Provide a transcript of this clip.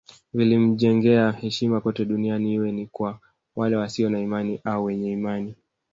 Vilimjengea heshima kote duniani iwe ni kwa wale wasio na imani au wenye imani